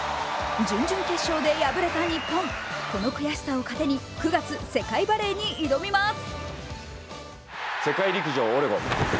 準々決勝で敗れた日本、この悔しさを糧に９月、世界バレーに挑みます。